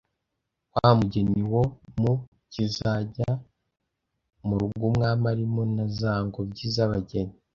Wa mugeni wo mu Zikajya mu rugo umwami arimo Na za ngobyi z’abageni